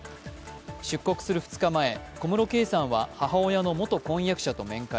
出国する２日前、小室圭さんは母親の元婚約者と面会。